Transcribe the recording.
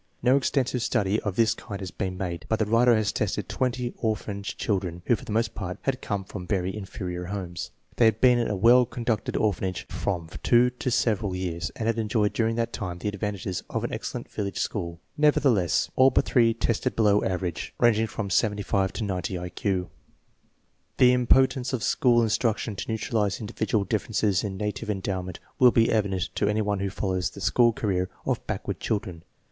No extensive study of this kind has been made, but the writer has tested twenty or phanage children who, for the most part, had come from veiy inferior homes. They had been in a well conducted orphanage for from two to several years, and had enjoyed during that time the advantages of an excellent village school. Nevertheless, all but three tested below average, ranging from 75 to 90 I Q. The impotence of school instruction to neutralize indi vidual differences in native endowment will be evident to any one who follows the school career of backward chil dren.